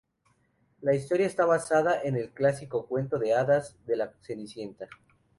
La historia está basada en el clásico cuento de hadas de La Cenicienta.